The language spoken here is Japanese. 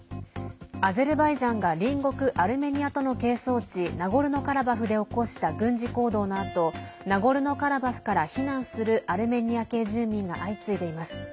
アゼルバイジャンが隣国アルメニアとの係争地ナゴルノカラバフで起こした軍事行動のあとナゴルノカラバフから避難するアルメニア系住民が相次いでいます。